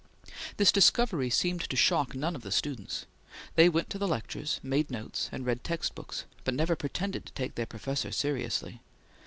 This discovery seemed to shock none of the students. They went to the lectures, made notes, and read textbooks, but never pretended to take their professor seriously.